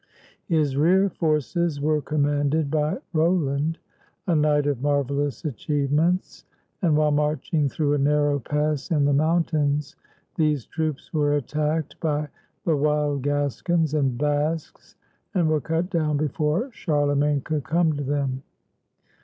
His rear forces were commanded by Roland, a knight of marvelous achieve ments, and while marching through a narrow pass in the mountains these troops were attacked by the wild Gascons and Basques and were cut down before Charlemagne could come to them.